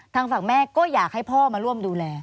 ทางฝั่งแม่ก็อยากให้พ่อมาร่วมดูแล